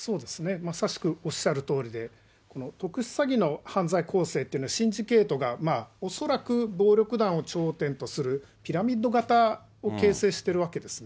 まさしくおっしゃるとおりで、特殊詐欺の犯罪構成っていうのは、シンジケートが、恐らく暴力団を頂点とするピラミッド型を形成してるわけですね。